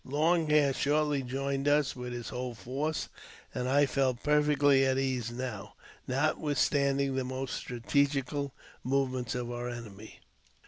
Long Hair shortly joined us with his whole force, and I felt perfectly at ease now, notwithstanding the most strategical movements of our enemy.